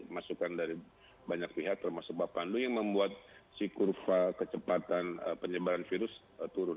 masukan dari banyak pihak termasuk pak pandu yang membuat si kurva kecepatan penyebaran virus turun